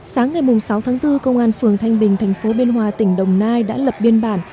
sáng ngày sáu tháng bốn công an phường thanh bình thành phố biên hòa tỉnh đồng nai đã lập biên bản